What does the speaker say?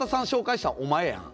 紹介したのお前やん。